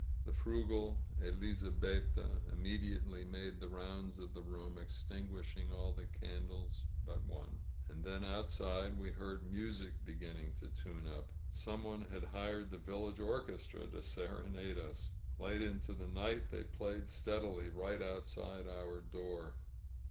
The frugal Elizabetta immediately made the rounds of the room, extinguishing all the candles but one. And then, outside, we heard music beginning to tune up. Some one had hired the village orchestra to sere nade us. Late into the night they played steadily, right outside our door.